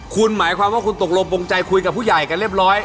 คุณหมายความว่าคุณตกลงปงใจคุยกับผู้ใหญ่กันเรียบร้อย